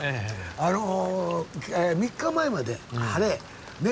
あの３日前まで晴れ。ね？